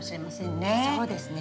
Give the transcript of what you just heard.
そうですね。